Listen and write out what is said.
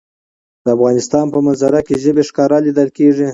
د افغانستان په منظره کې ژبې ښکاره لیدل کېږي.